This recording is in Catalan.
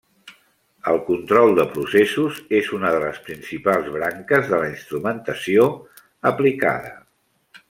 El control de processos és una de les principals branques de la instrumentació aplicada.